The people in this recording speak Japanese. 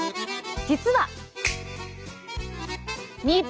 実は。